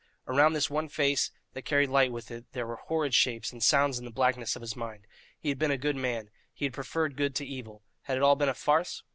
Around this one face, that carried light with it, there were horrid shapes and sounds in the blackness of his mind. He had been a good man; he had preferred good to evil: had it all been a farce?